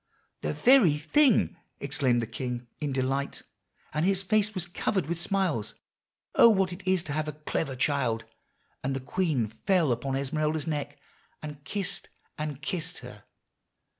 "'The very thing!' exclaimed the king in delight; and his face was covered with smiles. 'Oh, what it is to have a clever child!' and the queen fell upon Esmeralda's neck, and kissed and kissed her.